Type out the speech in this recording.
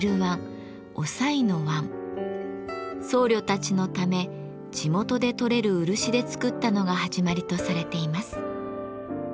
僧侶たちのため地元で採れる漆で作ったのが始まりとされています。